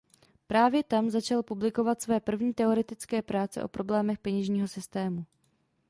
Právě tam začal publikovat své první teoretické práce o problémech peněžního systému.